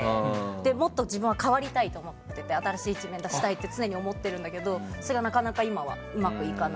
もっと自分は変わりたいと思っていて新しい一面を出したいと思っているんだけどそれがなかなか今はうまくいかない。